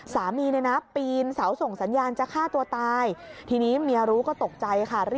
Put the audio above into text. สามีปีนเสาส่งสัญญาณจะฆ่าตัวตาย